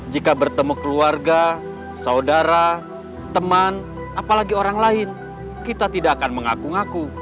jika bertemu keluarga saudara teman apalagi orang lain kita tidak akan mengaku ngaku